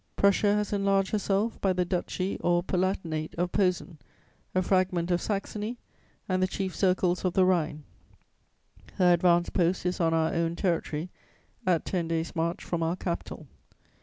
"Prussia has enlarged herself by the Duchy or Palatinate of Posen, a fragment of Saxony and the chief circles of the Rhine; her advance post is on our own territory, at ten days' march from our capital.